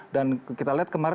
dan kita lihat kemarin